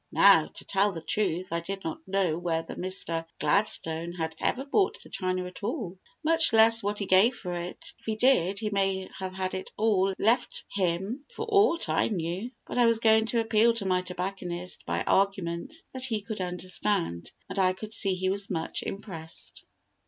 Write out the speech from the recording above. Now, to tell the truth, I did not know whether Mr. Gladstone had ever bought the china at all, much less what he gave for it, if he did; he may have had it all left him for aught I knew. But I was going to appeal to my tobacconist by arguments that he could understand, and I could see he was much impressed.